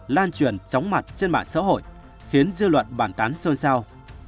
lan truyền chóng mặt trên mạng xã hội khiến dư luận bản tán xôi sao